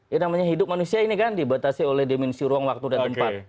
yang namanya hidup manusia ini kan dibatasi oleh dimensi ruang waktu dan tempat